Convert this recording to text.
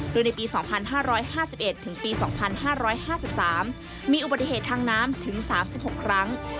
โดยในปี๒๕๕๑ถึงปี๒๕๕๓มีอุบัติเหตุทางน้ำถึง๓๖ครั้ง